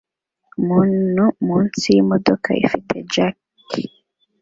Umuntu munsi yimodoka ifite jack